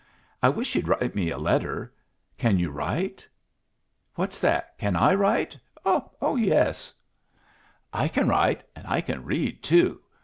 I wish you'd write me a letter. Can you write?" "What's that? Can I write? Oh yes." "I can write, an' I can read too.